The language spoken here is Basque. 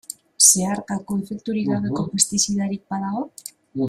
Zeharkako efekturik gabeko pestizidarik badago?